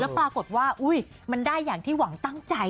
ปรากฏว่ามันได้อย่างที่หวังตั้งใจ